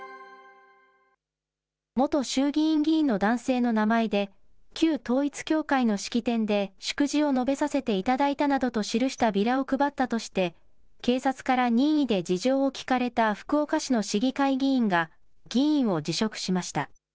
元衆議院議員の男性の名前で、旧統一教会の式典で祝辞を述べさせていただいたなどと記したビラを配ったとして、警察から任意で事情を聴かれた福岡市の市議会議員が議員を辞職しました。